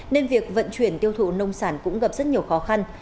nên việc vận chuyển tiêu thụ nông sản cũng gặp rất nhiều khó khăn